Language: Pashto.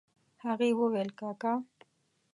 هغې وويل کاکا.